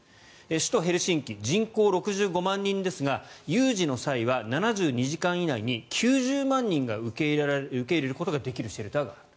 首都ヘルシンキ人口６５万人ですが有事の際は７２時間以内に９０万人が受け入れることができるシェルターがある。